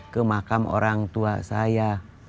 ke makam orang tua saya